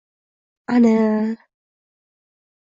ana